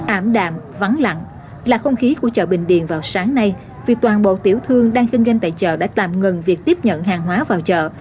ảm đạm vắng lặng là không khí của chợ bình điền vào sáng nay vì toàn bộ tiểu thương đang kinh doanh tại chợ đã tạm ngừng việc tiếp nhận hàng hóa vào chợ